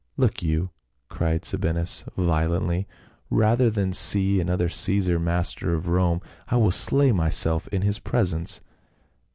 " Look you," cried Sabinus violently, " rather than see another Caesar master of Rome, I will slay myself in his presence."